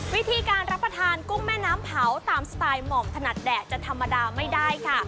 วิธีการรับประทานกุ้งแม่น้ำเผาตามสไตล์หม่อมถนัดแดดจะธรรมดาไม่ได้ค่ะ